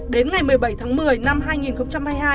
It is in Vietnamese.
đến ngày một mươi bảy tháng một mươi năm hai nghìn hai mươi hai